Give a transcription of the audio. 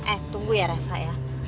eh tunggu ya rasa ya